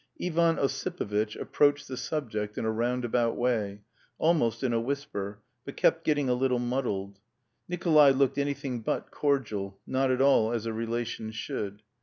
Ivan Ossipovitch approached the subject in a roundabout way, almost in a whisper, but kept getting a little muddled. Nikolay looked anything but cordial, not at all as a relation should.